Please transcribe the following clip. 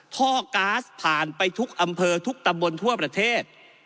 ท่อก๊าซผ่านไปทุกอำเภอทุกตำบลทั่วประเทศ